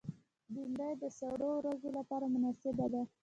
بېنډۍ د سړو ورځو لپاره مناسبه ده